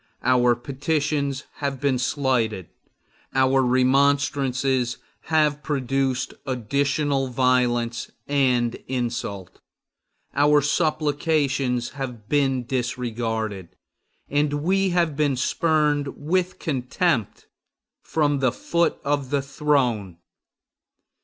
Our petitions have been slighted; our remonstrances have produced additional violence and insult; our supplications have been disregarded; and we have been spurned with contempt from the foot of the throne!